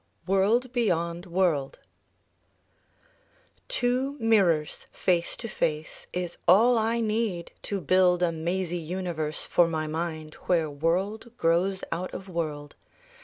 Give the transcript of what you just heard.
WORLD BEYOND WORLD Two mirrors, face to face, is all I need To build a mazy universe for my mind Where world grows out of world.